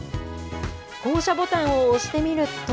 降車ボタンを押してみると。